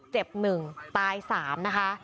เจ็บ๑ตาย๓นะคะ